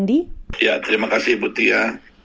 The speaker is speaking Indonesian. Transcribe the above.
ya terima kasih ibu tia